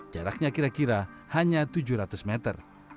jaraknya kira kira hanya tujuh ratus meter